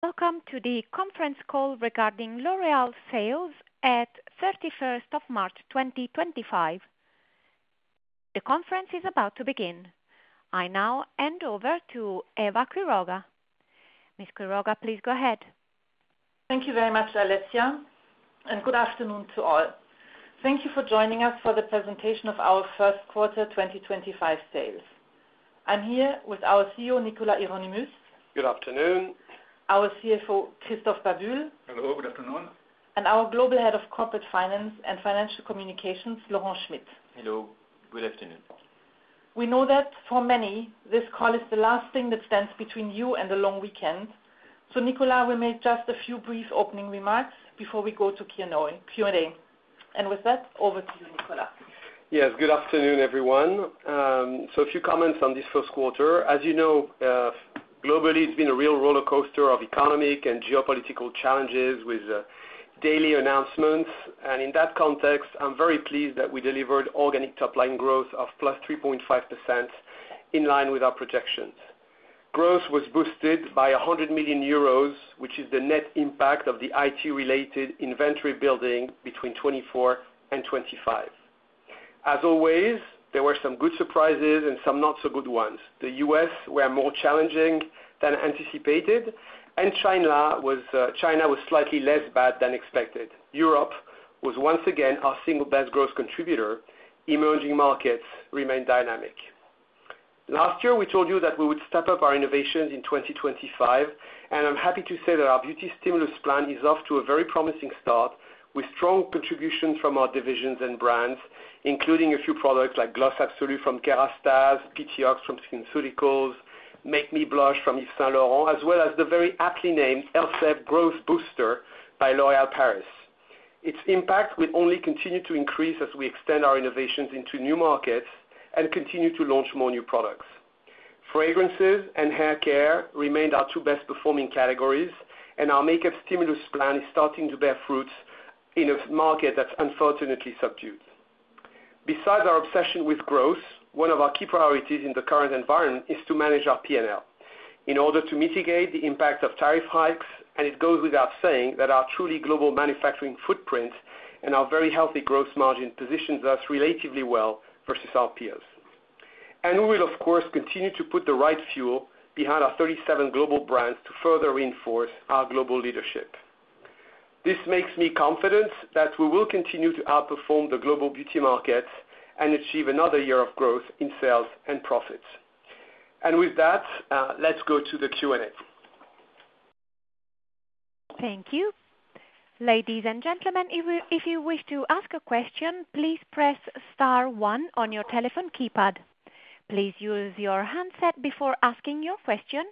Welcome to the conference call regarding L'Oréal sales at 31st of March 2025. The conference is about to begin. I now hand over to Eva Quiroga. Ms. Quiroga, please go ahead. Thank you very much, Alexia, and good afternoon to all. Thank you for joining us for the presentation of our first quarter 2025 sales. I'm here with our CEO, Nicolas Hieronimus. Good afternoon. Our CFO, Christophe Babule. Hello, good afternoon. Our Global Head of Corporate Finance and Financial Communications, Laurent Schmitt. Hello, good afternoon. We know that for many, this call is the last thing that stands between you and the long weekend. Nicolas, we made just a few brief opening remarks before we go to Q&A. With that, over to you, Nicolas. Yes, good afternoon, everyone. A few comments on this first quarter. As you know, globally, it's been a real roller coaster of economic and geopolitical challenges with daily announcements. In that context, I'm very pleased that we delivered organic top-line growth of +3.5% in line with our projections. Growth was boosted by 100 million euros, which is the net impact of the IT-related inventory building between 2024 and 2025. As always, there were some good surprises and some not-so-good ones. The U.S. was more challenging than anticipated, and China was slightly less bad than expected. Europe was once again our single best growth contributor. Emerging markets remain dynamic. Last year, we told you that we would step up our innovations in 2025, and I'm happy to say that our Beauty Stimulus Plan is off to a very promising start with strong contributions from our divisions and brands, including a few products like Gloss Absolue from Kérastase, PTOX from SkinCeuticals, Make Me Blush from Yves Saint Laurent, as well as the very aptly named Elvive Growth Booster by L'Oréal Paris. Its impact will only continue to increase as we extend our innovations into new markets and continue to launch more new products. Fragrances and hair care remained our two best-performing categories, and our Makeup Stimulus Plan is starting to bear fruit in a market that's unfortunately subdued. Besides our obsession with growth, one of our key priorities in the current environment is to manage our P&L in order to mitigate the impact of tariff hikes. It goes without saying that our truly global manufacturing footprint and our very healthy gross margin positions us relatively well versus our peers. We will, of course, continue to put the right fuel behind our 37 global brands to further reinforce our global leadership. This makes me confident that we will continue to outperform the global beauty markets and achieve another year of growth in sales and profits. With that, let's go to the Q&A. Thank you. Ladies and gentlemen, if you wish to ask a question, please press star one on your telephone keypad. Please use your handset before asking your question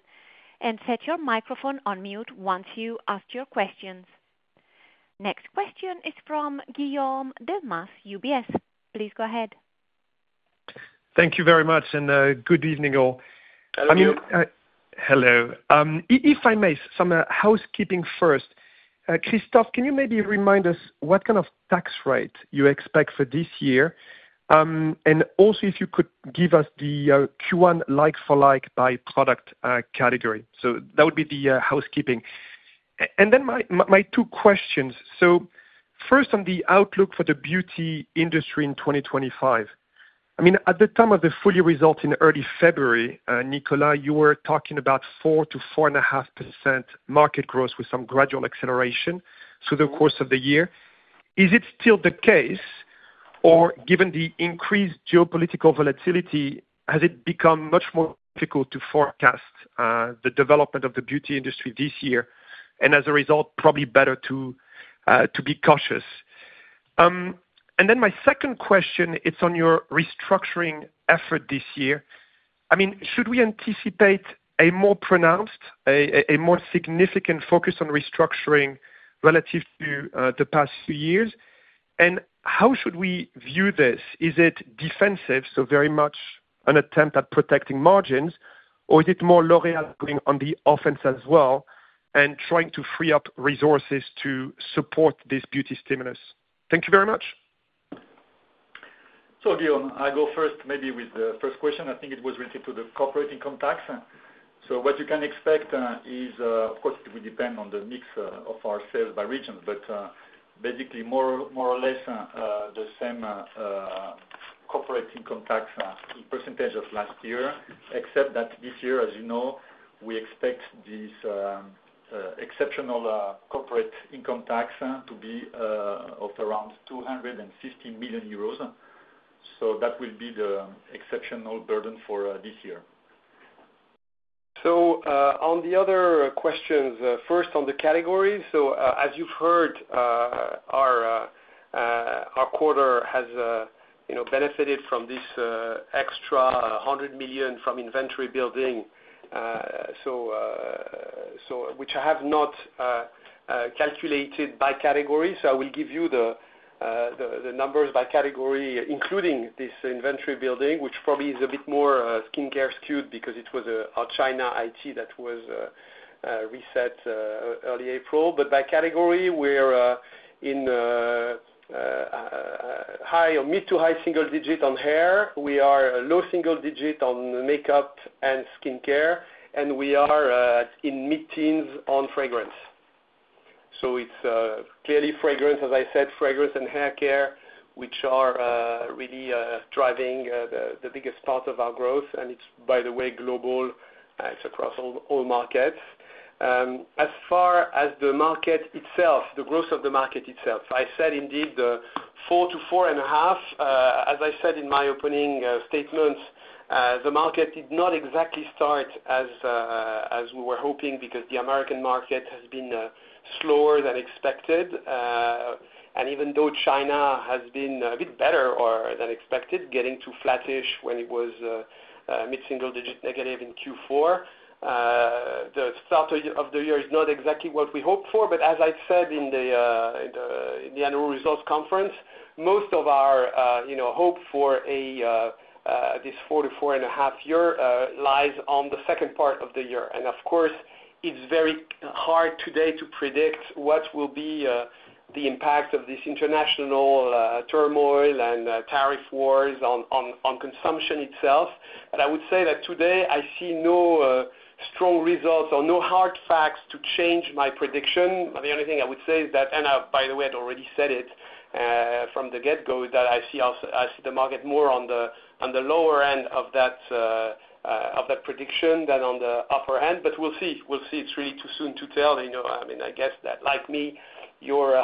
and set your microphone on mute once you ask your questions. Next question is from Guillaume Delmas, UBS. Please go ahead. Thank you very much, and good evening all. Hello. Hello. If I may, some housekeeping first. Christophe, can you maybe remind us what kind of tax rate you expect for this year? Also, if you could give us the Q1 like-for-like by product category. That would be the housekeeping. My two questions. First, on the outlook for the beauty industry in 2025. I mean, at the time of the full year result in early February, Nicolas, you were talking about 4%-4.5% market growth with some gradual acceleration through the course of the year. Is it still the case? Given the increased geopolitical volatility, has it become much more difficult to forecast the development of the beauty industry this year? As a result, probably better to be cautious. My second question, it's on your restructuring effort this year. I mean, should we anticipate a more pronounced, a more significant focus on restructuring relative to the past few years? How should we view this? Is it defensive, so very much an attempt at protecting margins? Or is it more L'Oréal going on the offense as well and trying to free up resources to support this beauty stimulus? Thank you very much. Guillaume, I'll go first maybe with the first question. I think it was related to the corporate income tax. What you can expect is, of course, it will depend on the mix of our sales by region, but basically, more or less the same corporate income tax percentage as last year, except that this year, as you know, we expect this exceptional corporate income tax to be of around 250 million euros. That will be the exceptional burden for this year. On the other questions, first on the categories. As you've heard, our quarter has benefited from this extra 100 million from inventory building, which I have not calculated by category. I will give you the numbers by category, including this inventory building, which probably is a bit more skincare skewed because it was our China IT that was reset early April. By category, we're in high or mid to high single digit on hair. We are low single digit on makeup and skincare, and we are in mid teens on fragrance. It is clearly fragrance, as I said, fragrance and hair care, which are really driving the biggest part of our growth. It is, by the way, global. It is across all markets. As far as the market itself, the growth of the market itself, I said indeed the 4%-4.5%. As I said in my opening statement, the market did not exactly start as we were hoping because the American market has been slower than expected. Even though China has been a bit better than expected, getting to flattish when it was mid single digit negative in Q4, the start of the year is not exactly what we hoped for. As I said in the annual results conference, most of our hope for this four to four and a half year lies on the second part of the year. Of course, it's very hard today to predict what will be the impact of this international turmoil and tariff wars on consumption itself. I would say that today, I see no strong results or no hard facts to change my prediction. The only thing I would say is that, and by the way, I'd already said it from the get-go, that I see the market more on the lower end of that prediction than on the upper end. We'll see. We'll see. It's really too soon to tell. I mean, I guess that like me, you're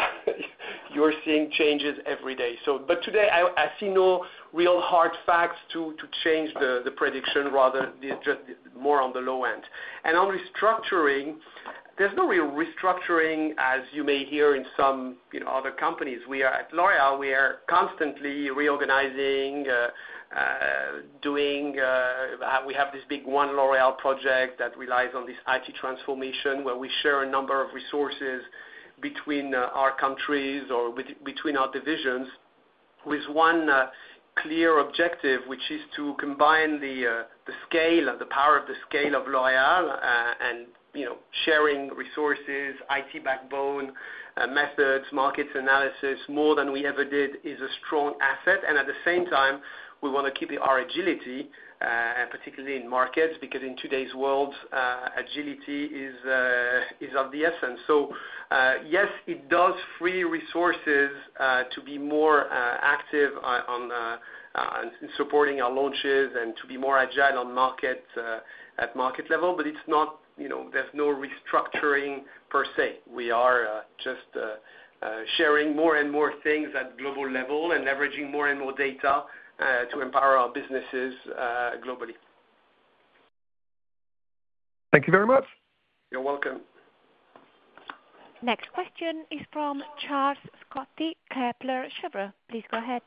seeing changes every day. Today, I see no real hard facts to change the prediction, rather just more on the low end. On restructuring, there's no real restructuring, as you may hear in some other companies. At L'Oréal, we are constantly reorganizing. We have this big One L'Oréal Project that relies on this IT Transformation where we share a number of resources between our countries or between our divisions with one clear objective, which is to combine the scale and the power of the scale of L'Oréal and sharing resources, IT backbone, methods, markets analysis more than we ever did is a strong asset. At the same time, we want to keep our agility, particularly in markets, because in today's world, agility is of the essence. Yes, it does free resources to be more active in supporting our launches and to be more agile at market level, but there is no restructuring per se. We are just sharing more and more things at global level and leveraging more and more data to empower our businesses globally. Thank you very much. You're welcome. Next question is from Charles Scotti, Kepler Cheuvreux. Please go ahead.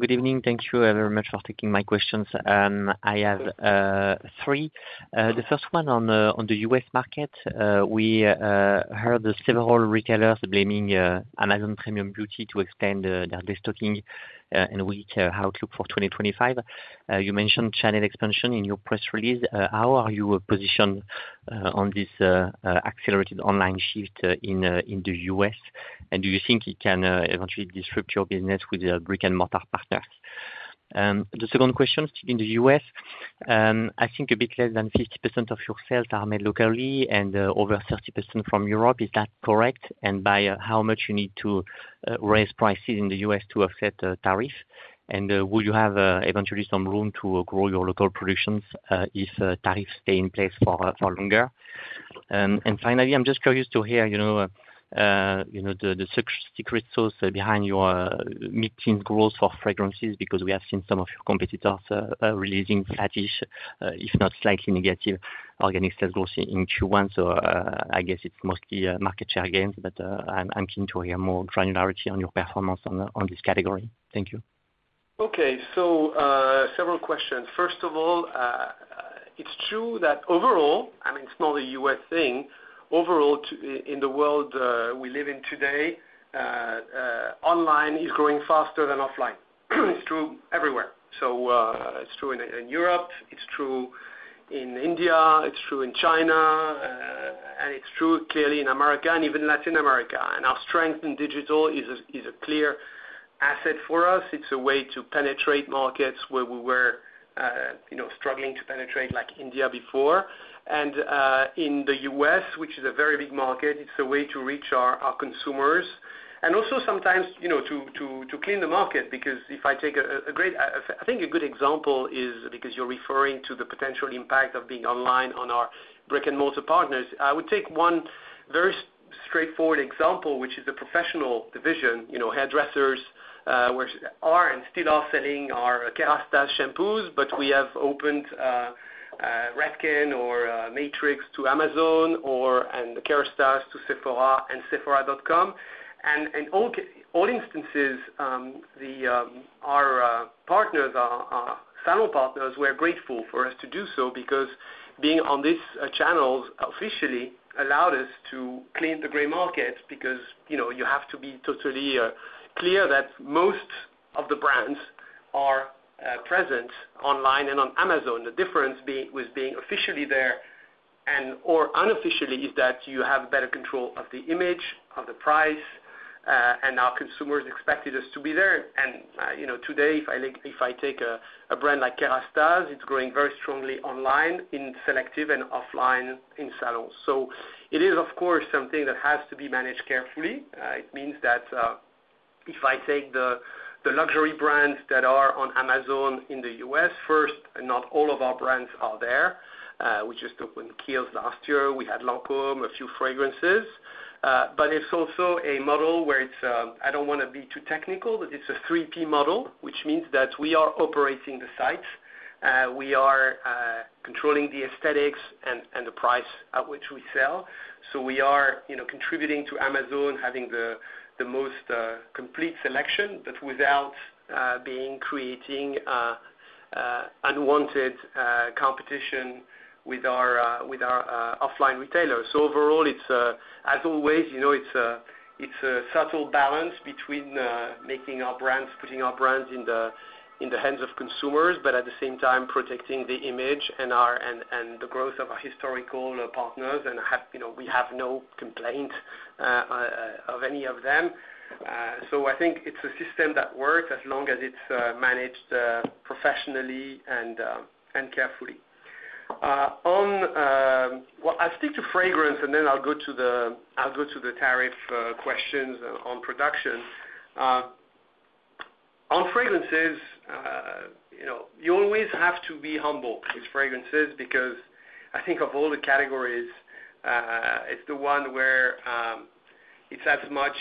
Good evening. Thank you very much for taking my questions. I have three. The first one on the U.S. market, we heard several retailers blaming Amazon Premium Beauty to extend their restocking and weak outlook for 2025. You mentioned China expansion in your press release. How are you positioned on this accelerated online shift in the U.S.? Do you think it can eventually disrupt your business with the brick-and-mortar partners? The second question, in the U.S., I think a bit less than 50% of your sales are made locally and over 30% from Europe. Is that correct? By how much do you need to raise prices in the U.S. to offset tariffs? Will you have eventually some room to grow your local productions if tariffs stay in place for longer? Finally, I'm just curious to hear the secret sauce behind your mid-teens growth for fragrances because we have seen some of your competitors releasing flattish, if not slightly negative, organic sales growth in Q1. I guess it's mostly market share gains, but I'm keen to hear more granularity on your performance on this category. Thank you. Okay. Several questions. First of all, it's true that overall, I mean, it's more the US thing. Overall, in the world we live in today, online is growing faster than offline. It's true everywhere. It's true in Europe. It's true in India. It's true in China. It's true clearly in America and even Latin America. Our strength in digital is a clear asset for us. It's a way to penetrate markets where we were struggling to penetrate, like India before. In the U.S., which is a very big market, it's a way to reach our consumers and also sometimes to clean the market. Because if I take a great, I think a good example is because you're referring to the potential impact of being online on our brick-and-mortar partners. I would take one very straightforward example, which is the professional division, hairdressers, where we are and still are selling our Kérastase shampoos, but we have opened Redken or Matrix to Amazon and Kérastase to Sephora and Sephora.com. In all instances, our partners, our salon partners, were grateful for us to do so because being on these channels officially allowed us to clean the gray market because you have to be totally clear that most of the brands are present online and on Amazon. The difference with being officially there and/or unofficially is that you have better control of the image, of the price, and our consumers expected us to be there. Today, if I take a brand like Kérastase, it is growing very strongly online in selective and offline in salons. It is, of course, something that has to be managed carefully. It means that if I take the luxury brands that are on Amazon in the U.S., first, not all of our brands are there. We just opened Kiehl's last year. We had Lancôme, a few fragrances. It is also a model where it is, I do not want to be too technical, but it is a 3P model, which means that we are operating the sites. We are controlling the aesthetics and the price at which we sell. We are contributing to Amazon having the most complete selection, but without creating unwanted competition with our offline retailers. Overall, as always, it is a subtle balance between making our brands, putting our brands in the hands of consumers, but at the same time, protecting the image and the growth of our historical partners. We have no complaints of any of them. I think it's a system that works as long as it's managed professionally and carefully. I'll stick to fragrance, and then I'll go to the tariff questions on production. On fragrances, you always have to be humble with fragrances because I think of all the categories, it's the one where it's as much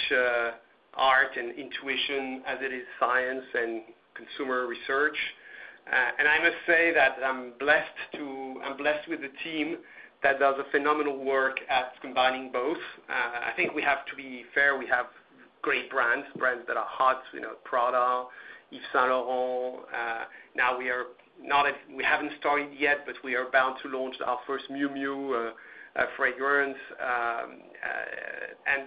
art and intuition as it is science and consumer research. I must say that I'm blessed with the team that does phenomenal work at combining both. I think we have to be fair. We have great brands, brands that are hot: Prada, Yves Saint Laurent. Now we haven't started yet, but we are bound to launch our first Miu Miu fragrance.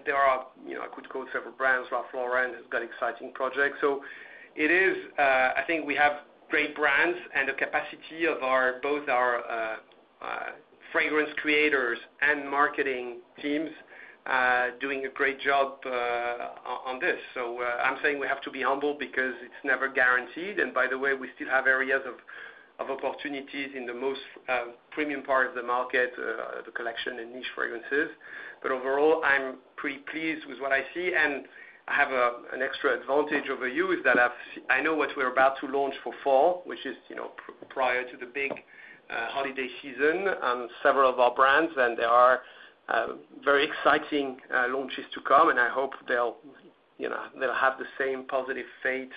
There are, I could quote several brands. Ralph Lauren has got exciting projects. I think we have great brands and the capacity of both our fragrance creators and marketing teams doing a great job on this. I'm saying we have to be humble because it's never guaranteed. By the way, we still have areas of opportunities in the most premium part of the market, the collection and niche fragrances. Overall, I'm pretty pleased with what I see. I have an extra advantage over you is that I know what we're about to launch for fall, which is prior to the big holiday season on several of our brands. There are very exciting launches to come. I hope they'll have the same positive fate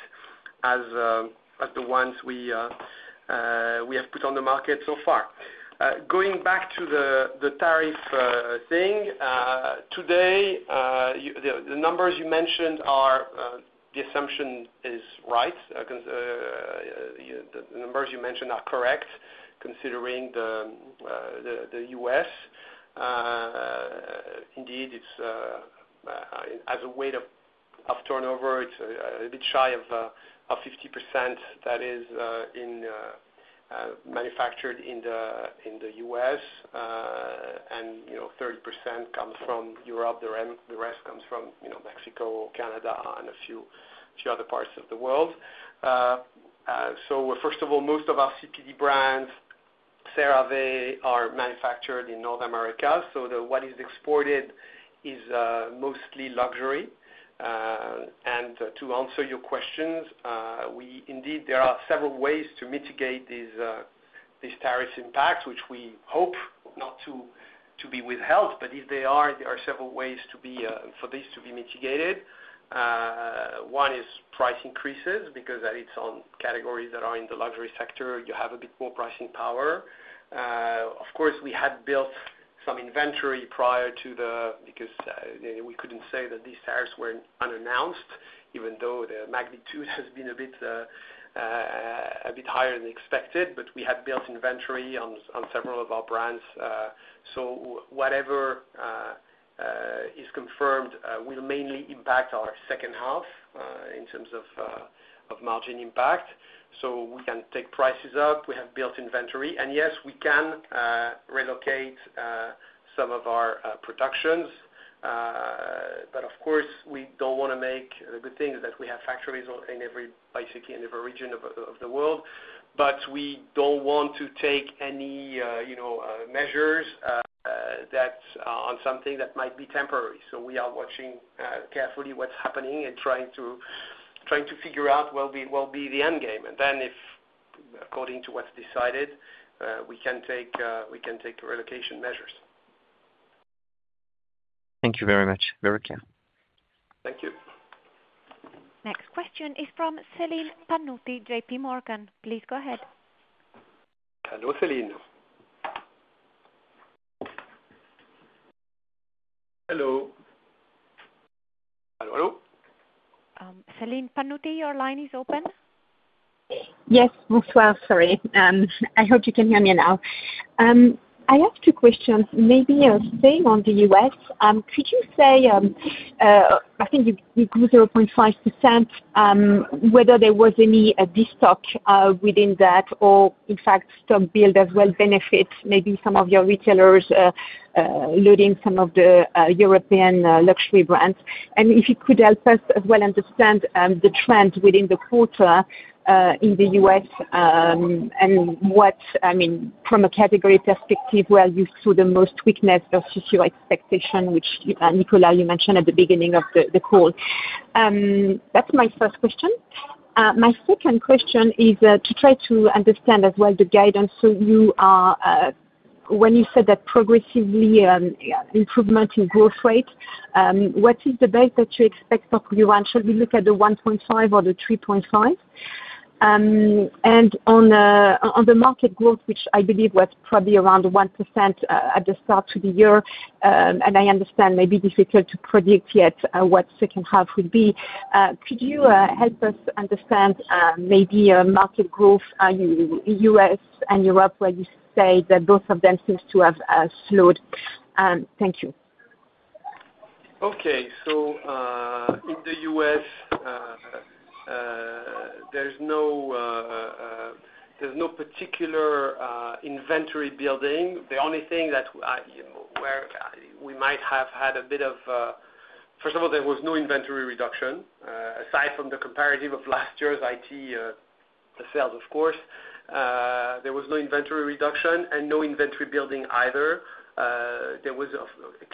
as the ones we have put on the market so far. Going back to the tariff thing, today, the numbers you mentioned are the assumption is right. The numbers you mentioned are correct considering the US. Indeed, as a weight of turnover, it's a bit shy of 50% that is manufactured in the U.S., and 30% comes from Europe. The rest comes from Mexico, Canada, and a few other parts of the world. First of all, most of our CPD brands, CeraVe, are manufactured in North America. What is exported is mostly luxury. To answer your questions, indeed, there are several ways to mitigate these tariff impacts, which we hope not to be withheld. If they are, there are several ways for these to be mitigated. One is price increases because it's on categories that are in the luxury sector. You have a bit more pricing power. Of course, we had built some inventory prior to the because we couldn't say that these tariffs were unannounced, even though the magnitude has been a bit higher than expected. We had built inventory on several of our brands. Whatever is confirmed will mainly impact our second half in terms of margin impact. We can take prices up. We have built inventory. Yes, we can relocate some of our productions. The good thing is that we have factories basically in every region of the world. We don't want to take any measures on something that might be temporary. We are watching carefully what's happening and trying to figure out what will be the end game. If, according to what's decided, we can take relocation measures. Thank you very much, Verika. Thank you. Next question is from Celine Pannuti, JPMorgan. Please go ahead. Hello, Celine. Hello. Hello, hello. Celine Pannuti, your line is open. Yes, bonsoir. Sorry. I hope you can hear me now. I have two questions. Maybe staying on the U.S., could you say, I think you grew 0.5%, whether there was any destock within that or, in fact, stock build as well benefits maybe some of your retailers loading some of the European luxury brands? If you could help us as well understand the trend within the quarter in the U.S. and what, I mean, from a category perspective, where you saw the most weakness versus your expectation, which, Nicolas, you mentioned at the beginning of the call. That's my first question. My second question is to try to understand as well the guidance. When you said that progressively improvement in growth rate, what is the best that you expect for your brand? Should we look at the 1.5% or the 3.5%? On the market growth, which I believe was probably around 1% at the start of the year, and I understand maybe difficult to predict yet what second half would be, could you help us understand maybe market growth in the U.S. and Europe where you say that both of them seems to have slowed? Thank you. Okay. In the U.S., there's no particular inventory building. The only thing that we might have had a bit of, first of all, there was no inventory reduction aside from the comparative of last year's IT sales, of course. There was no inventory reduction and no inventory building either.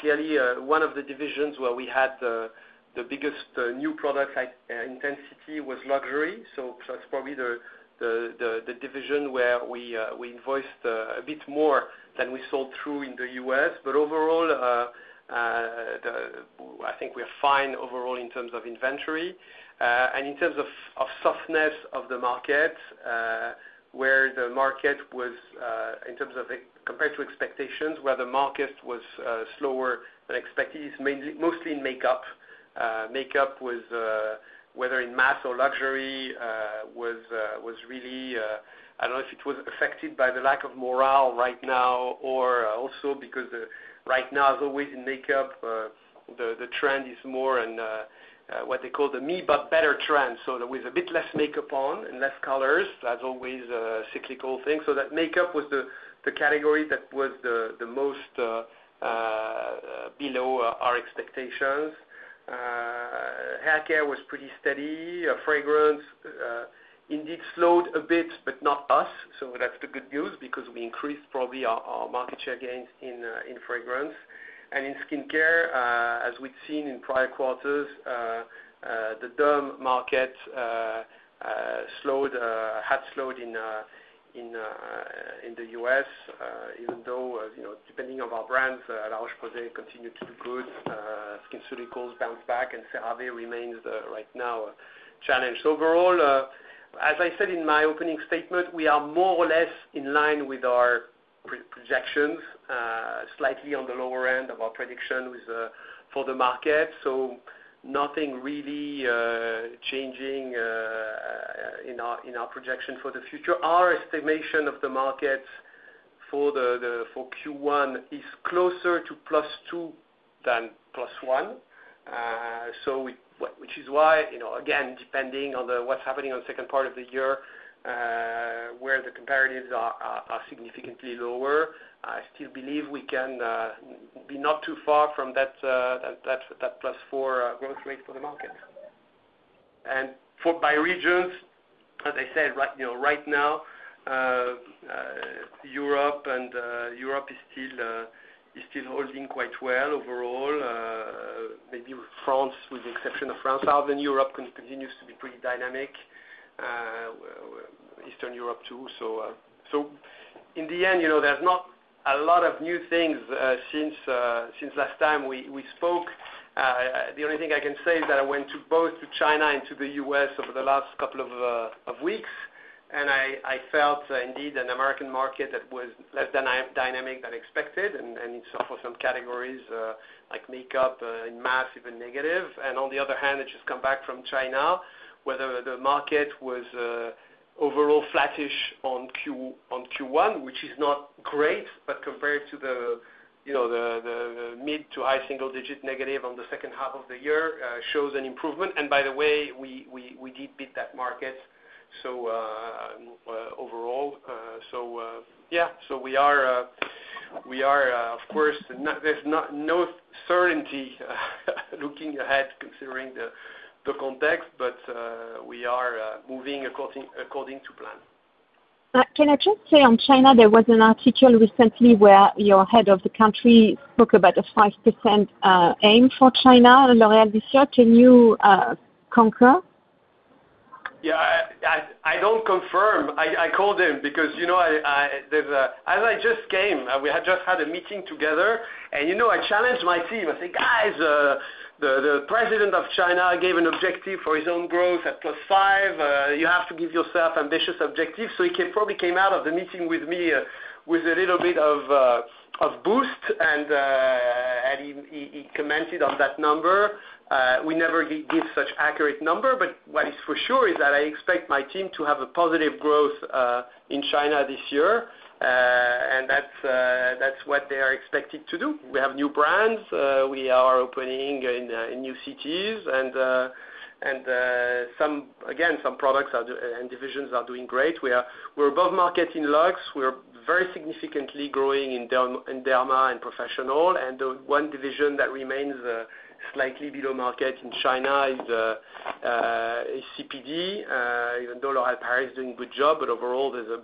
Clearly, one of the divisions where we had the biggest new product intensity was luxury. That is probably the division where we invoiced a bit more than we sold through in the U.S. Overall, I think we are fine overall in terms of inventory. In terms of softness of the market, where the market was, in terms of compared to expectations, where the market was slower than expected, it is mostly in makeup. Makeup, whether in mass or luxury, was really I don't know if it was affected by the lack of morale right now or also because right now, as always in makeup, the trend is more in what they call the me-but-better trend. There was a bit less makeup on and less colors. That is always a cyclical thing. Makeup was the category that was the most below our expectations. Haircare was pretty steady. Fragrance indeed slowed a bit, not us. That is the good news because we increased probably our market share gains in fragrance. In skincare, as we had seen in prior quarters, the derm market had slowed in the U.S., even though, depending on our brands, La Roche-Posay continued to do good. SkinCeuticals bounced back, and CeraVe remains right now a challenge. Overall, as I said in my opening statement, we are more or less in line with our projections, slightly on the lower end of our prediction for the market. Nothing really changing in our projection for the future. Our estimation of the markets for Q1 is closer to +2% than +1%, which is why, again, depending on what is happening on the second part of the year, where the comparatives are significantly lower, I still believe we can be not too far from that +4% growth rate for the market. By regions, as I said, right now, Europe is still holding quite well overall. Maybe with France, with the exception of France, southern Europe continues to be pretty dynamic. Eastern Europe too. In the end, there is not a lot of new things since last time we spoke. The only thing I can say is that I went both to China and to the U.S. over the last couple of weeks, and I felt indeed an American market that was less dynamic than expected. In some categories like makeup, in mass, even negative. On the other hand, I just come back from China, where the market was overall flattish on Q1, which is not great, but compared to the mid to high single-digit negative on the second half of the year, shows an improvement. By the way, we did beat that market overall. Yeah. We are, of course, there's no certainty looking ahead considering the context, but we are moving according to plan. Can I just say on China, there was an article recently where your head of the country spoke about a 5% aim for China, L'Oréal Viseur. Can you concur? Yeah. I don't confirm. I called him because as I just came, we had just had a meeting together. I challenged my team. I said, "Guys, the President of China gave an objective for his own growth at plus 5%. You have to give yourself ambitious objectives." He probably came out of the meeting with me with a little bit of boost, and he commented on that number. We never give such accurate numbers. What is for sure is that I expect my team to have a positive growth in China this year. That is what they are expected to do. We have new brands. We are opening in new cities. Some products and divisions are doing great. We are above market in luxe. We are very significantly growing in derma and professional. The one division that remains slightly below market in China is CPD, even though L'Oréal Paris is doing a good job. Overall, there is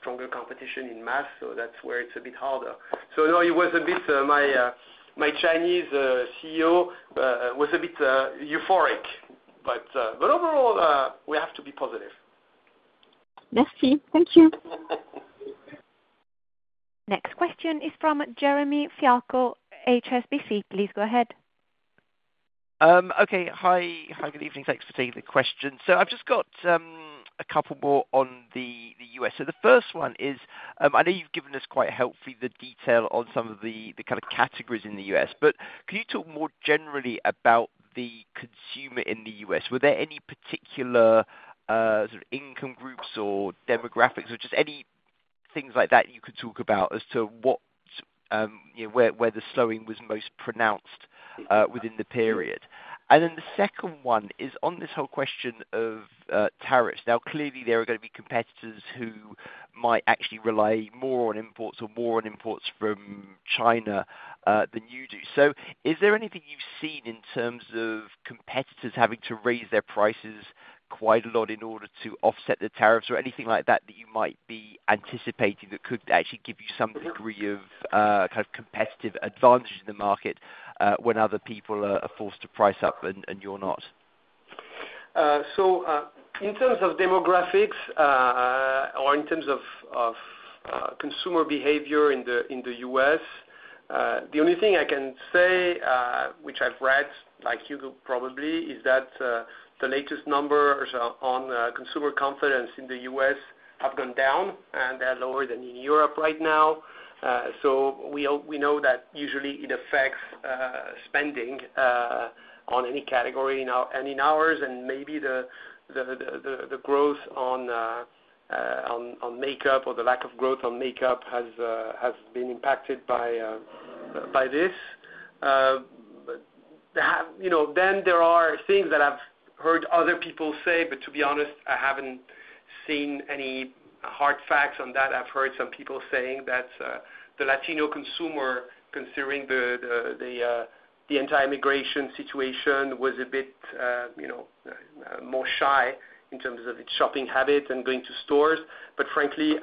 stronger competition in mass. That is where it is a bit harder. No, it was a bit my Chinese CEO was a bit euphoric. Overall, we have to be positive. Merci. Thank you. Next question is from Jeremy Fialko, HSBC. Please go ahead. Okay. Hi, good evening. Thanks for taking the question. I've just got a couple more on the U.S. The first one is I know you've given us quite helpfully the detail on some of the kind of categories in the U.S. Could you talk more generally about the consumer in the U.S.? Were there any particular sort of income groups or demographics or just any things like that you could talk about as to where the slowing was most pronounced within the period? The second one is on this whole question of tariffs. Now, clearly, there are going to be competitors who might actually rely more on imports or more on imports from China than you do. Is there anything you've seen in terms of competitors having to raise their prices quite a lot in order to offset the tariffs or anything like that that you might be anticipating that could actually give you some degree of kind of competitive advantage in the market when other people are forced to price up and you're not? In terms of demographics or in terms of consumer behavior in the U.S., the only thing I can say, which I've read like you probably, is that the latest numbers on consumer confidence in the U.S. have gone down, and they're lower than in Europe right now. We know that usually it affects spending on any category and in ours. Maybe the growth on makeup or the lack of growth on makeup has been impacted by this. There are things that I've heard other people say, but to be honest, I haven't seen any hard facts on that. I've heard some people saying that the Latino consumer, considering the anti-immigration situation, was a bit more shy in terms of its shopping habits and going to stores. Frankly,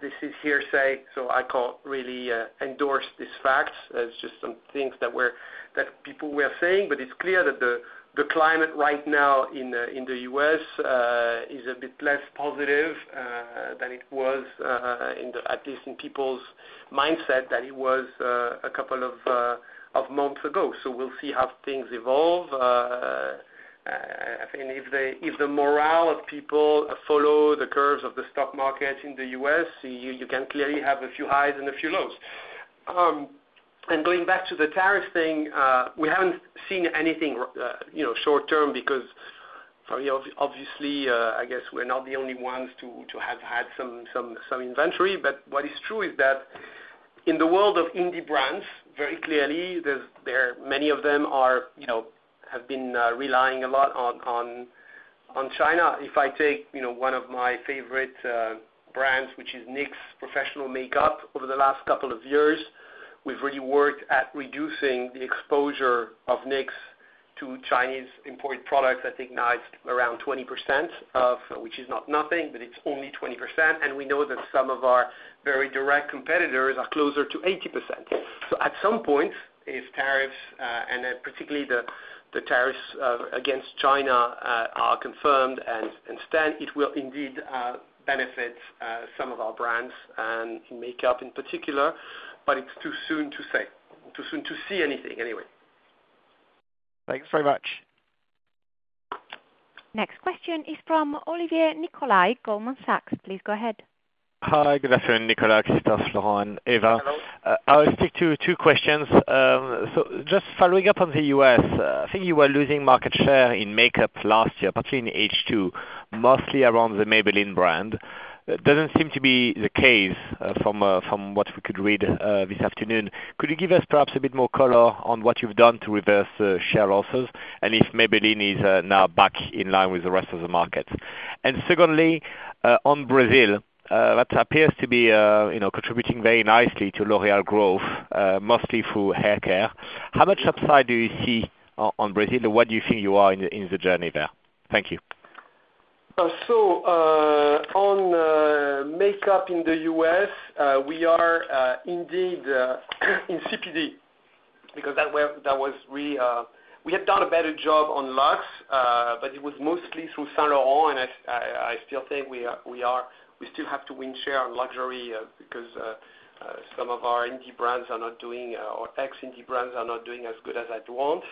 this is hearsay, so I can't really endorse this fact. It's just some things that people were saying. It is clear that the climate right now in the U.S. is a bit less positive than it was, at least in people's mindset, than it was a couple of months ago. We will see how things evolve. I think if the morale of people follows the curves of the stock market in the U.S., you can clearly have a few highs and a few lows. Going back to the tariff thing, we have not seen anything short-term because, obviously, I guess we are not the only ones to have had some inventory. What is true is that in the world of indie brands, very clearly, many of them have been relying a lot on China. If I take one of my favorite brands, which is NYX Professional Makeup, over the last couple of years, we have really worked at reducing the exposure of NYX to Chinese imported products. I think now it's around 20%, which is not nothing, but it's only 20%. We know that some of our very direct competitors are closer to 80%. At some point, if tariffs and particularly the tariffs against China are confirmed and stunned, it will indeed benefit some of our brands and in makeup in particular. It's too soon to say, too soon to see anything anyway. Thanks very much. Next question is from Olivier Nicolaï at Goldman Sachs. Please go ahead. Hi. Good afternoon, Nicolas, Christophe, Laurent, Eva. I'll stick to two questions. Just following up on the U.S., I think you were losing market share in makeup last year, particularly in H2, mostly around the Maybelline brand. It doesn't seem to be the case from what we could read this afternoon. Could you give us perhaps a bit more color on what you've done to reverse share losses and if Maybelline is now back in line with the rest of the market? Secondly, on Brazil, that appears to be contributing very nicely to L'Oréal growth, mostly through haircare. How much upside do you see on Brazil, and where do you think you are in the journey there? Thank you. On makeup in the U.S., we are indeed in CPD because that was really we had done a better job on luxe, but it was mostly through Yves Saint Laurent. I still think we still have to win share on luxury because some of our indie brands are not doing or ex-indie brands are not doing as good as I'd want.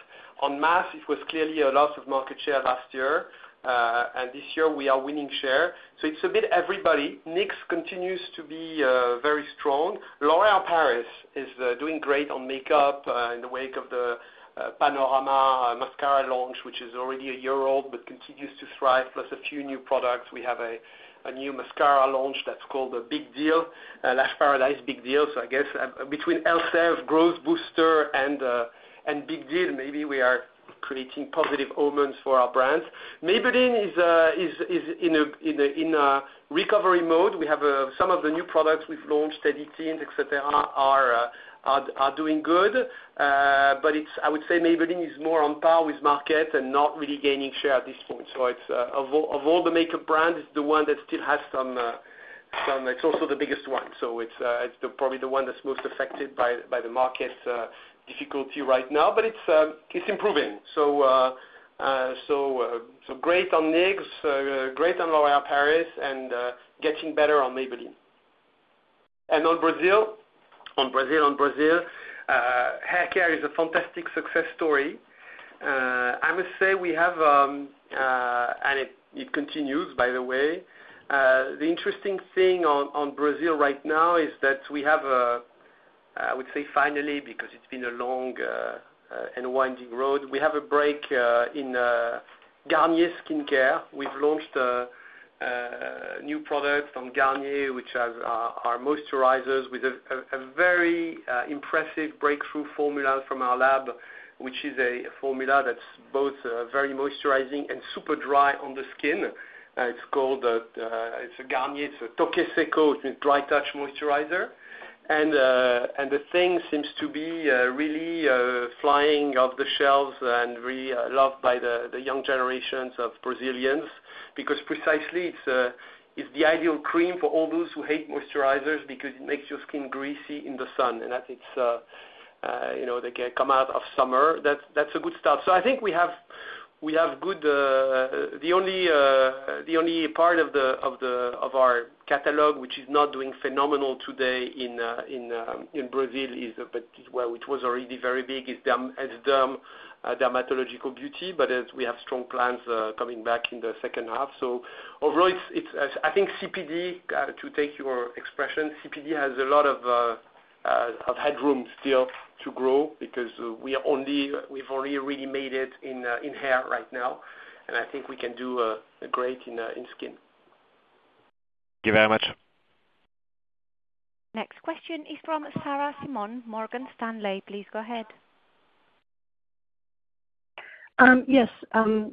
On mass, it was clearly a loss of market share last year. This year, we are winning share. It's a bit everybody. NYX continues to be very strong. L'Oréal Paris is doing great on makeup in the wake of the Panorama Mascara launch, which is already a year old but continues to thrive, plus a few new products. We have a new mascara launch that's called the Big Deal, Lash Paradise Big Deal. I guess between Elseve Growth Booster and Big Deal, maybe we are creating positive omens for our brands. Maybelline is in a recovery mode. We have some of the new products we've launched, Teddy Tints, etc., are doing good. I would say Maybelline is more on par with market and not really gaining share at this point. Of all the makeup brands, it's the one that still has some, it's also the biggest one. It's probably the one that's most affected by the market difficulty right now. It's improving. Great on NYX, great on L'Oréal Paris, and getting better on Maybelline. On Brazil? On Brazil, haircare is a fantastic success story. I must say we have, and it continues, by the way. The interesting thing on Brazil right now is that we have, I would say finally, because it's been a long and winding road, we have a break in Garnier Skincare. We've launched a new product from Garnier, which has our moisturizers with a very impressive breakthrough formula from our lab, which is a formula that's both very moisturizing and super dry on the skin. It's called Garnier, it's a Tokeseko Dry Touch Moisturizer. The thing seems to be really flying off the shelves and really loved by the young generations of Brazilians because precisely it's the ideal cream for all those who hate moisturizers because it makes your skin greasy in the sun. That's as they come out of summer. That's a good start. I think we have good, the only part of our catalog which is not doing phenomenal today in Brazil is, well, which was already very big, is Dermatological Beauty. We have strong plans coming back in the second half. Overall, I think CPD, to take your expression, CPD has a lot of headroom still to grow because we've only really made it in hair right now. I think we can do great in skin. Thank you very much. Next question is from Sarah Simon, Morgan Stanley. Please go ahead. Yes.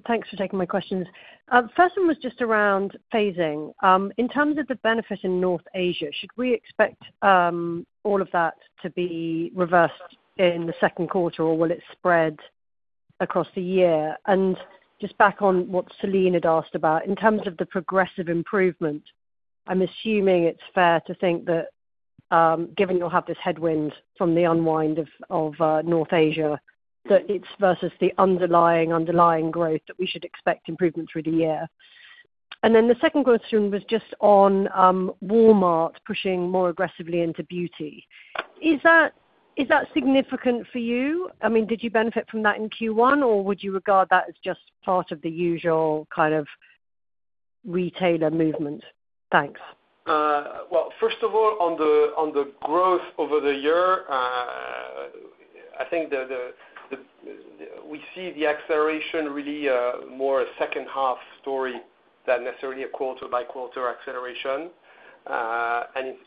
Thanks for taking my questions. The first one was just around phasing. In terms of the benefit in North Asia, should we expect all of that to be reversed in the second quarter, or will it spread across the year? Just back on what Celine had asked about, in terms of the progressive improvement, I'm assuming it's fair to think that given you'll have this headwind from the unwind of North Asia, that it's versus the underlying growth that we should expect improvement through the year. The second question was just on Walmart pushing more aggressively into beauty. Is that significant for you? I mean, did you benefit from that in Q1, or would you regard that as just part of the usual kind of retailer movement? Thanks. First of all, on the growth over the year, I think we see the acceleration really more a second-half story than necessarily a quarter-by-quarter acceleration.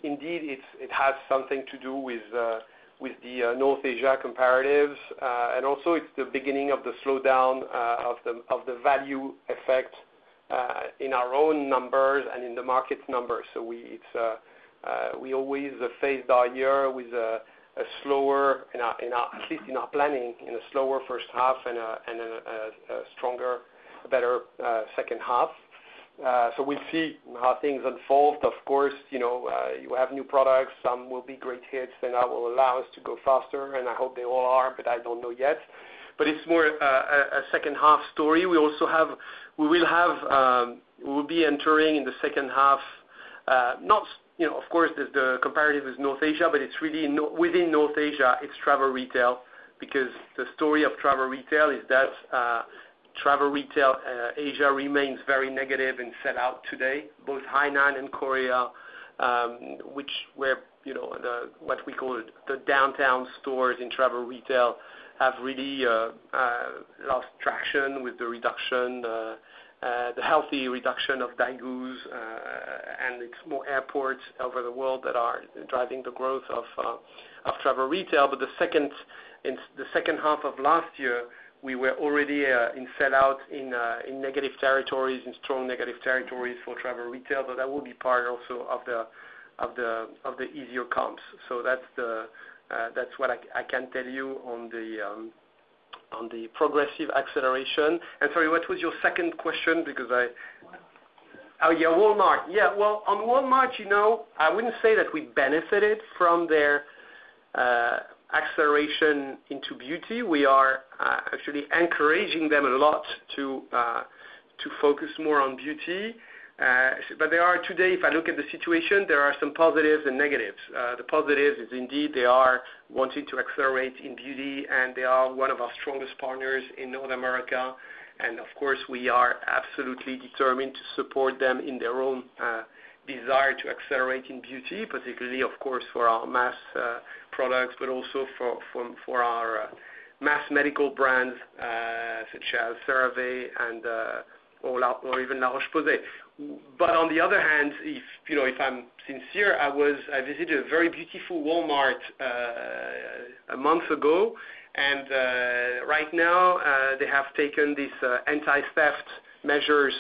Indeed, it has something to do with the North Asia comparatives. Also, it is the beginning of the slowdown of the value effect in our own numbers and in the market's numbers. We always phase by year with a slower, at least in our planning, a slower first half and a stronger, better second half. We will see how things unfold. Of course, you have new products. Some will be great hits, and that will allow us to go faster. I hope they all are, but I do not know yet. It is more a second-half story. We will be entering in the second half, of course, the comparative is North Asia, but it is really within North Asia, it is travel retail because the story of travel retail is that travel retail Asia remains very negative and fell out today. Both Hainan and Korea, which were what we call the downtown stores in travel retail, have really lost traction with the reduction, the healthy reduction of Daigou, and it is more airports over the world that are driving the growth of travel retail. The second half of last year, we were already in sellout in negative territories, in strong negative territories for travel retail. That will be part also of the easier comps. That is what I can tell you on the progressive acceleration. Sorry, what was your second question? Because, oh, yeah, Walmart. Yeah. On Walmart, I would not say that we benefited from their acceleration into beauty. We are actually encouraging them a lot to focus more on beauty. If I look at the situation today, there are some positives and negatives. The positive is indeed they are wanting to accelerate in beauty, and they are one of our strongest partners in North America. Of course, we are absolutely determined to support them in their own desire to accelerate in beauty, particularly for our mass products, but also for our mass medical brands such as CeraVe and even La Roche-Posay. On the other hand, if I am sincere, I visited a very beautiful Walmart a month ago. Right now, they have taken these anti-theft measures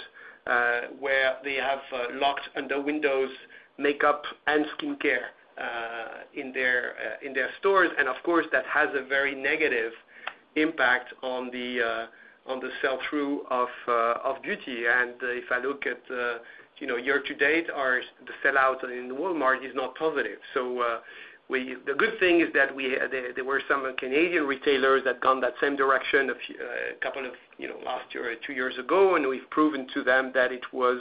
where they have locked under windows makeup and skincare in their stores. Of course, that has a very negative impact on the sell-through of beauty. If I look at year-to-date, the sellout in Walmart is not positive. The good thing is that there were some Canadian retailers that gone that same direction a couple of last year, two years ago, and we've proven to them that it was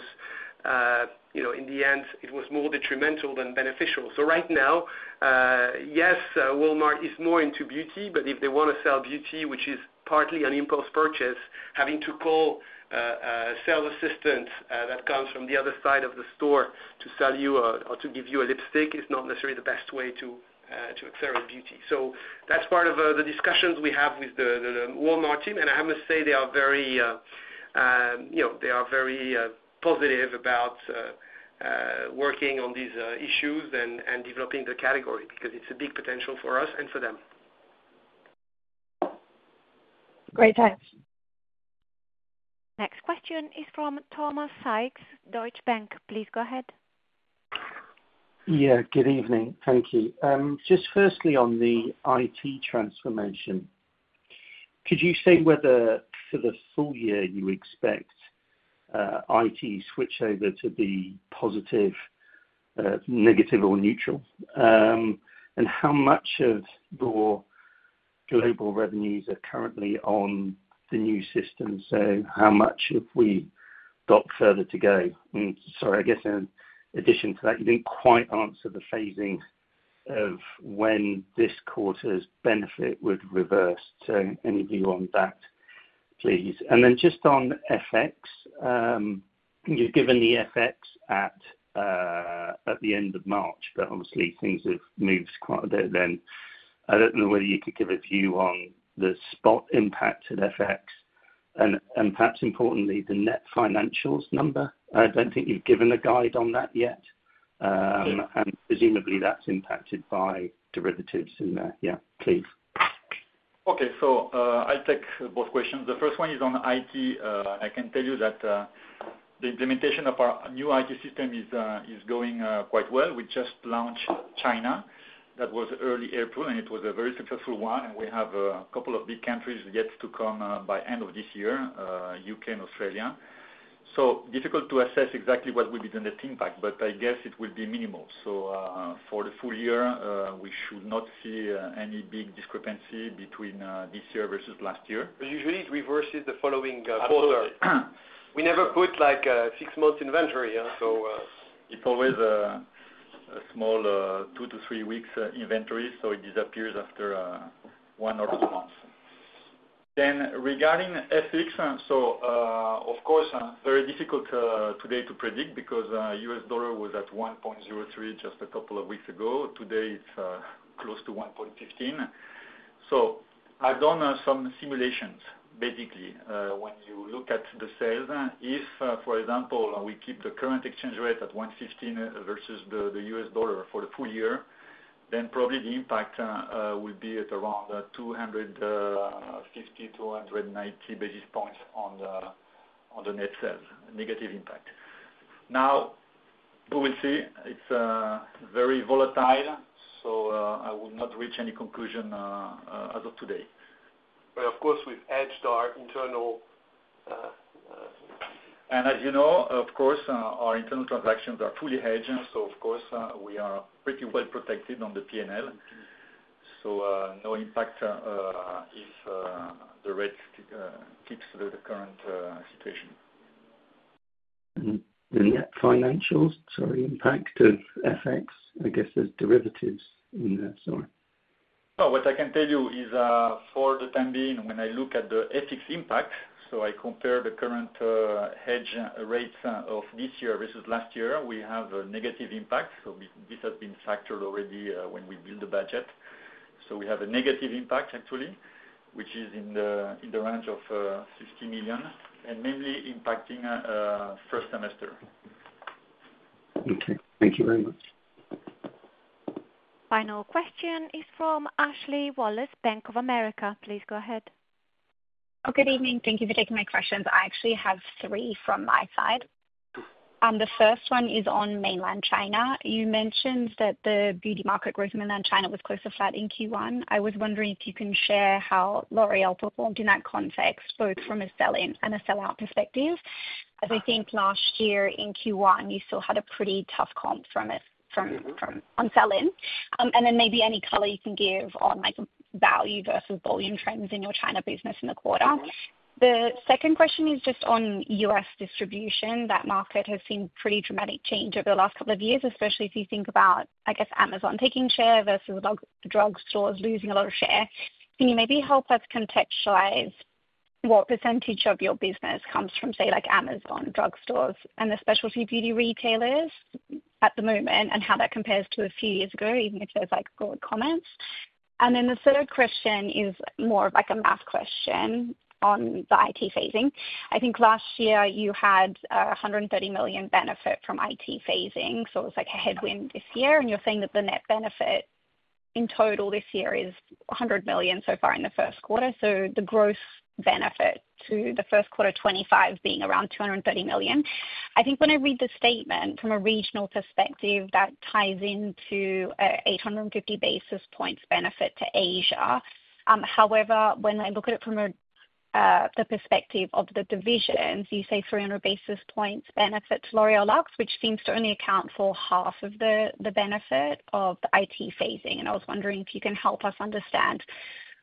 in the end, it was more detrimental than beneficial. Right now, yes, Walmart is more into beauty, but if they want to sell beauty, which is partly an impulse purchase, having to call a sales assistant that comes from the other side of the store to sell you or to give you a lipstick is not necessarily the best way to accelerate beauty. That is part of the discussions we have with the Walmart team. I must say they are very positive about working on these issues and developing the category because it's a big potential for us and for them. Great thanks. Next question is from Thomas Sykes, Deutsche Bank. Please go ahead. Yeah. Good evening. Thank you. Just firstly on the IT transformation, could you say whether for the full year you expect IT switchover to be positive, negative, or neutral? How much of your global revenues are currently on the new system? How much have we got further to go? Sorry, I guess in addition to that, you did not quite answer the phasing of when this quarter's benefit would reverse. Any view on that, please? Just on FX, you have given the FX at the end of March, but obviously, things have moved quite a bit then. I do not know whether you could give a view on the spot impact of FX and perhaps importantly, the net financials number. I do not think you have given a guide on that yet. Presumably, that is impacted by derivatives in there. Yeah. Please. Okay. I'll take both questions. The first one is on IT. I can tell you that the implementation of our new IT system is going quite well. We just launched China. That was early April, and it was a very successful one. We have a couple of big countries yet to come by end of this year, U.K. and Australia. Difficult to assess exactly what will be the net impact, but I guess it will be minimal. For the full year, we should not see any big discrepancy between this year versus last year. Usually, it reverses the following quarter. We never put six months inventory, so it's always a small two- to three-week inventory. It disappears after one or two months. Regarding FX, of course, very difficult today to predict because the US dollar was at 1.03 just a couple of weeks ago. Today, it is close to 1.15. I have done some simulations, basically. When you look at the sales, if, for example, we keep the current exchange rate at 1.15 versus the U.S. dollar for the full year, then probably the impact will be at around 250-290 basis points on the net sales, negative impact. We will see. It is very volatile, so I will not reach any conclusion as of today. Of course, we have hedged our internal. As you know, our internal transactions are fully hedged. We are pretty well protected on the P&L. No impact if the rate keeps the current situation. The net financials, sorry, impact of FX? I guess there's derivatives in there. Sorry. Oh, what I can tell you is for the time being, when I look at the FX impact, I compare the current hedge rates of this year versus last year, we have a negative impact. This has been factored already when we build the budget. We have a negative impact, actually, which is in the range of 50 million and mainly impacting first semester. Okay. Thank you very much. Final question is from Ashley Wallace, Bank of America. Please go ahead. Good evening. Thank you for taking my questions. I actually have three from my side. The first one is on mainland China. You mentioned that the beauty market growth in mainland China was close to flat in Q1. I was wondering if you can share how L'Oréal performed in that context, both from a sell-in and a sellout perspective. As I think last year in Q1, you still had a pretty tough comp from sell-in. Maybe any color you can give on value versus volume trends in your China business in the quarter. The second question is just on U.S. distribution. That market has seen pretty dramatic change over the last couple of years, especially if you think about, I guess, Amazon taking share versus drug stores losing a lot of share. Can you maybe help us contextualize what percentage of your business comes from, say, Amazon, drug stores, and the specialty beauty retailers at the moment and how that compares to a few years ago, even if there's gold comments? The third question is more of a math question on the IT phasing. I think last year, you had 130 million benefit from IT phasing. It was a headwind this year. You are saying that the net benefit in total this year is 100 million so far in the first quarter. The gross benefit to the first quarter 2025 being around 230 million. I think when I read the statement from a regional perspective, that ties into 850 basis points benefit to Asia. However, when I look at it from the perspective of the divisions, you say 300 basis points benefits L'Oréal Luxe, which seems to only account for half of the benefit of the IT phasing. I was wondering if you can help us understand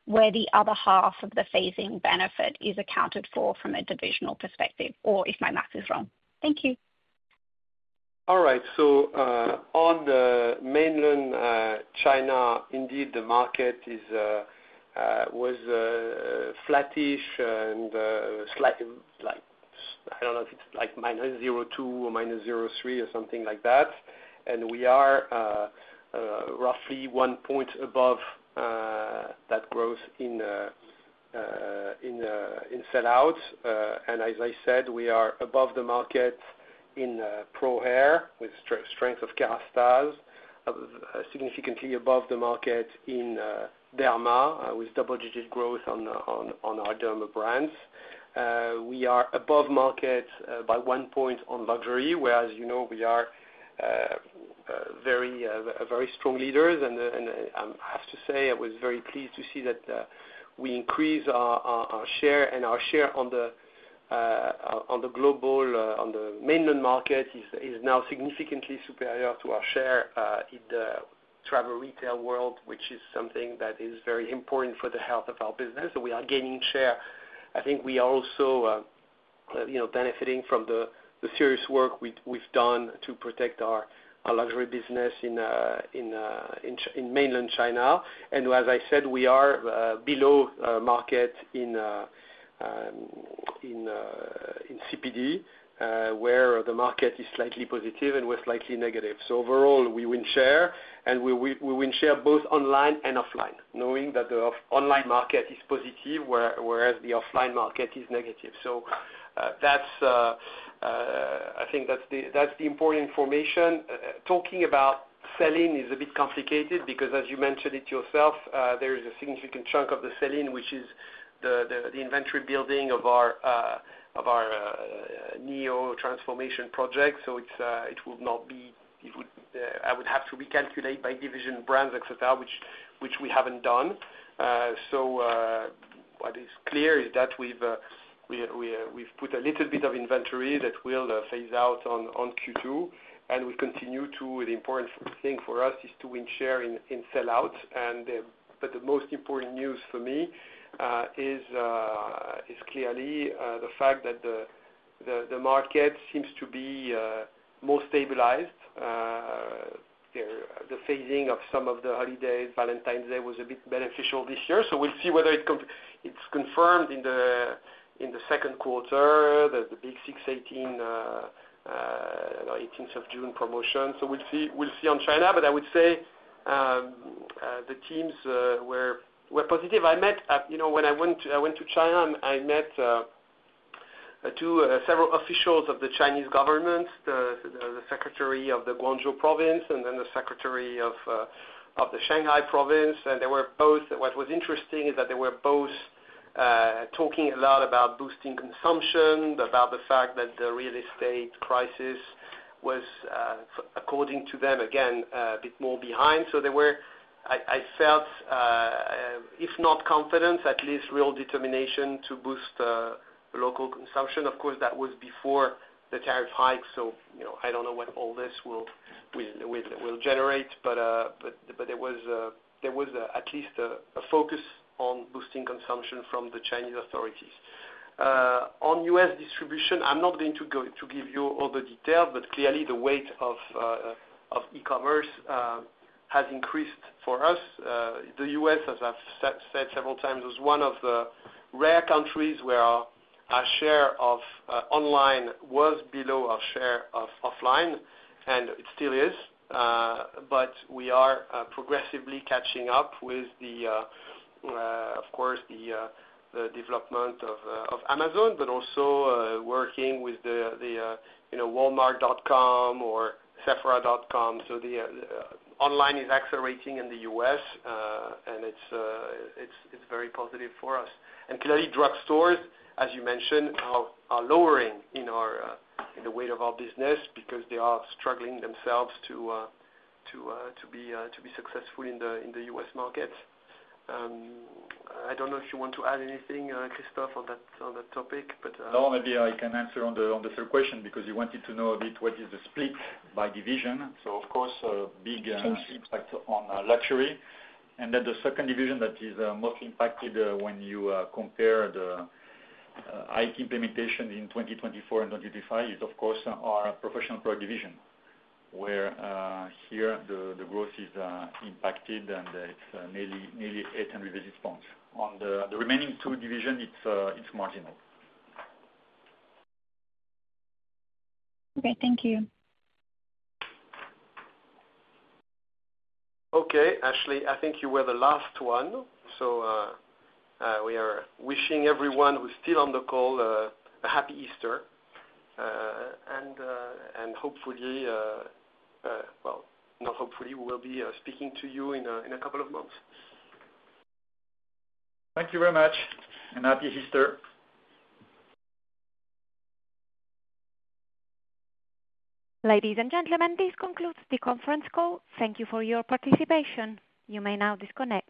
where the other half of the phasing benefit is accounted for from a divisional perspective, or if my math is wrong. Thank you. All right. On mainland China, indeed, the market was flattish and slightly, I do not know if it is minus 0.2% or minus 0.3% or something like that. We are roughly one percentage point above that growth in sellout. As I said, we are above the market in Pro Hair with the strength of Kérastase, significantly above the market in Derma with double-digit growth on our Derma brands. We are above market by one percentage point on luxury, where we are very strong leaders. I have to say, I was very pleased to see that we increased our share. Our share on the global, on the mainland market, is now significantly superior to our share in the travel retail world, which is something that is very important for the health of our business. We are gaining share. I think we are also benefiting from the serious work we've done to protect our luxury business in mainland China. As I said, we are below market in CPD, where the market is slightly positive and we're slightly negative. Overall, we win share. We win share both online and offline, knowing that the online market is positive, whereas the offline market is negative. I think that's the important information. Talking about sell-in is a bit complicated because, as you mentioned it yourself, there is a significant chunk of the sell-in, which is the inventory building of our neo transformation project. It will not be, I would have to recalculate by division, brands, etc., which we haven't done. What is clear is that we've put a little bit of inventory that will phase out on Q2. We continue, the important thing for us is to win share in sellout. The most important news for me is clearly the fact that the market seems to be more stabilized. The phasing of some of the holidays, Valentine's Day, was a bit beneficial this year. We will see whether it is confirmed in the second quarter, the big 618, 18th of June promotion. We will see on China. I would say the teams were positive. When I went to China, I met several officials of the Chinese government, the secretary of the Guangzhou Province, and then the secretary of the Shanghai Province. What was interesting is that they were both talking a lot about boosting consumption, about the fact that the real estate crisis was, according to them, again, a bit more behind. I felt, if not confidence, at least real determination to boost local consumption. Of course, that was before the tariff hike. I do not know what all this will generate. There was at least a focus on boosting consumption from the Chinese authorities. On U.S. distribution, I am not going to give you all the details, but clearly, the weight of e-commerce has increased for us. The U.S., as I have said several times, was one of the rare countries where our share of online was below our share of offline, and it still is. We are progressively catching up with, of course, the development of Amazon, but also working with Walmart.com or Sephora.com. The online is accelerating in the U.S., and it is very positive for us. Clearly, drug stores, as you mentioned, are lowering in the weight of our business because they are struggling themselves to be successful in the U.S. market. I do not know if you want to add anything, Christophe, on that topic. No, maybe I can answer on the third question because you wanted to know a bit what is the split by division. Of course, big impact on luxury. The second division that is most impacted when you compare the IT implementation in 2024 and 2025 is, of course, our professional product division, where here the growth is impacted, and it is nearly 800 basis points. On the remaining two divisions, it is marginal. Okay. Thank you. Okay. Ashley, I think you were the last one. We are wishing everyone who's still on the call a Happy Easter. Hopefully, well, not hopefully, we will be speaking to you in a couple of months. Thank you very much, and Happy Easter. Ladies and gentlemen, this concludes the conference call. Thank you for your participation. You may now disconnect.